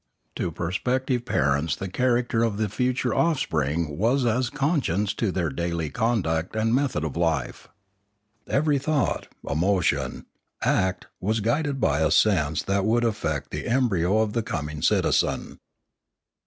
To prospective parents the character of the future offspring was as a conscience to their daily con duct and method of life. Every thought, emotion, act, was guided by a sense that it would affect the embryo of the coming citizen.